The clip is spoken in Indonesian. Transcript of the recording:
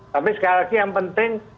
tapi sekali lagi yang penting